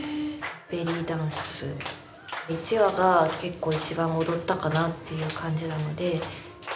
ベリーダンス１話が結構一番踊ったかなっていう感じなので。